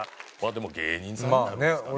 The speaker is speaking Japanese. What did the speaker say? でも芸人さんになるんですかね